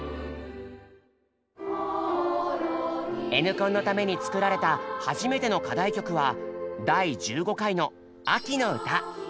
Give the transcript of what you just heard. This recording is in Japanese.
「Ｎコン」のために作られた初めての課題曲は第１５回の「秋の歌」。